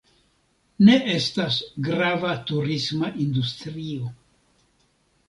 Ne estas grava turisma industrio.